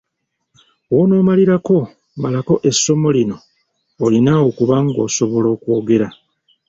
W'onoomalirako malako essomo lino olina okuba ng'osobola okwogera.